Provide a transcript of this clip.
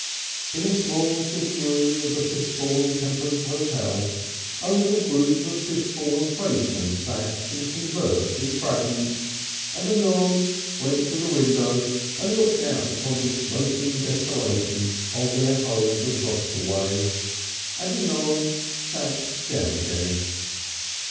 In a small sitting room of the Fishbourne Temperance Hotel a little group of Fishbourne tradesmen sat and conversed in fragments and anon went to the window and looked out upon the smoking desolation of their homes across the way, and anon sat down again.